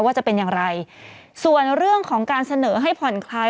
จะเป็นอย่างไรส่วนเรื่องของการเสนอให้ผ่อนคลาย